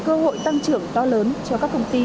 cơ hội tăng trưởng to lớn cho các công ty